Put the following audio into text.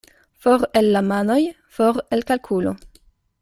For el la manoj — for el kalkulo.